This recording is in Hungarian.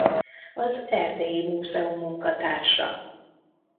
Az Erdélyi Múzeum munkatársa.